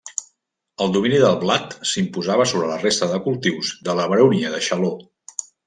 El domini del blat s'imposava sobre la resta dels cultius de la Baronia de Xaló.